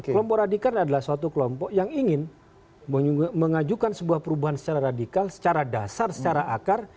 kelompok radikal adalah suatu kelompok yang ingin mengajukan sebuah perubahan secara radikal secara dasar secara akar